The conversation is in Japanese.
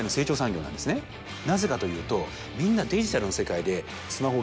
なぜかというとみんな。